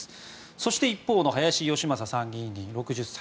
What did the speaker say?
そして、一方の林芳正参議院議員、６０歳。